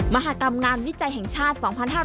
มหากรรมงานวิจัยแห่งชาติ๒๕๕๙